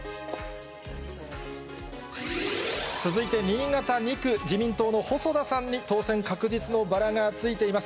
続いて新潟２区、自民党の細田さんに当選確実のバラがついています。